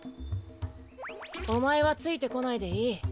おまえはついてこないでいい。